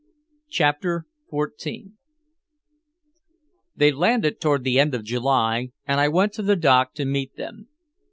CHAPTER XIV They landed toward the end of July and I went to the dock to meet them.